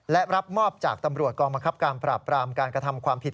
และรับมอบจากตำรวจกองบังคับการปราบปรามการกระทำความผิด